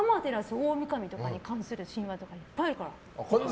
オオミカミとかに関する神話とかいっぱいあるから。